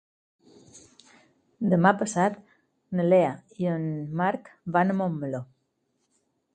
Demà passat na Lea i en Marc van a Montmeló.